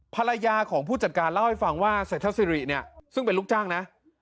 ภรรยาของผู้จัดการเล่าให้ฟังว่าเศรษฐศิริเนี่ยซึ่งเป็นลูกจ้างนะ